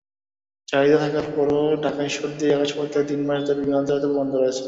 চাহিদা থাকার পরও ঢাকা-ঈশ্বরদী আকাশপথে তিন মাস ধরে বিমান চলাচল বন্ধ রয়েছে।